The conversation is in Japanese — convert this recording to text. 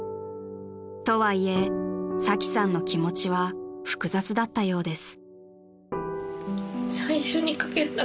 ［とはいえサキさんの気持ちは複雑だったようです］